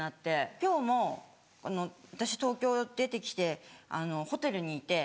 今日も私東京出て来てホテルにいて。